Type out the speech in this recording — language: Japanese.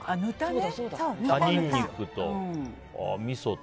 葉ニンニクと、みそと。